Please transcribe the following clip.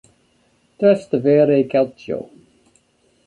Trastevere Calcio.